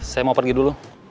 saya mau pergi dulu